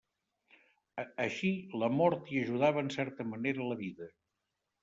Així, la mort hi ajudava en certa manera la vida.